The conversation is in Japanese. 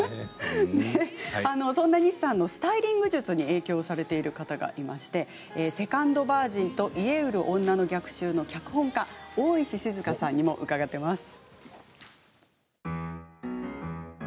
そんな西さんのスタイリング術に影響されている方がいまして「セカンドバージン」と「家売るオンナの逆襲」の脚本家大石静さんにも伺ってます。